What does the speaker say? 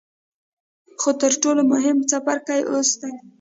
خو تر ټولو مهم څپرکی اوس دی.